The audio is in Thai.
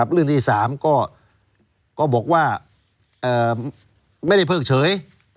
เรื่องที่๓ก็บอกว่าไม่ได้เพิ่งเฉย